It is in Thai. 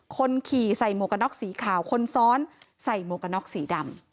คนขี่ใส่โมกน็อกสีขาวคนซ้อนใส่โมกน็อกสีดำ